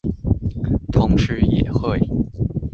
同時也會